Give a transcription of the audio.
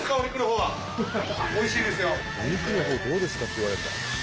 「お肉のほうどうですか？」って言われるんだ。